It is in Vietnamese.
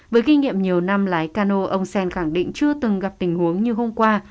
với kinh nghiệm nhiều năm lái cano ông sen khẳng định chưa từng gặp tình huống như hôm qua